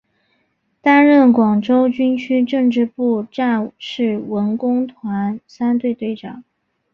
担任广州军区政治部战士文工团三队队长。